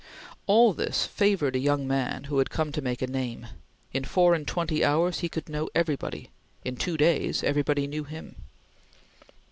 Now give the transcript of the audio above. All this favored a young man who had come to make a name. In four and twenty hours he could know everybody; in two days everybody knew him.